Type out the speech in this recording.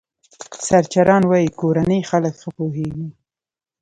سرچران وايي کورني خلک ښه پوهېږي.